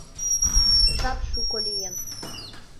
Жап шуко лийын.